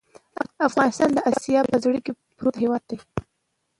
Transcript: افغانستان د آسیا په زړه کې پروت هېواد دی.